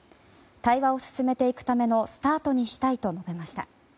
対話を進めていくためのスタートにしたいと述べました。